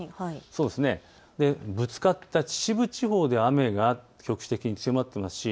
ぶつかった秩父地方で雨が局地的に強まっています。